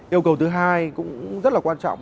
yêu cầu thứ hai cũng rất là quan trọng